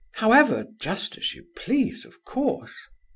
However, just as you please, of course."